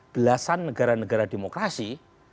belasan negara negara demokrasi